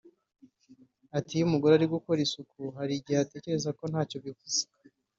Ati “iyo umugore ari gukora isuku hari igihe utekereza ko ntacyo bivuze